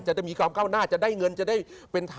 จะมีความก้าวหน้าจะได้เงินจะได้เป็นธรรม